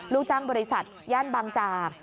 ลูกจ้างบริษัทย่านบางจาก